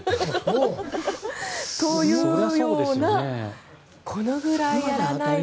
というようなこのぐらいやらないと。